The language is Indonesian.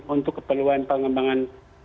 untuk keperluan pengembangan